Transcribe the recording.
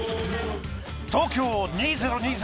東京２０２０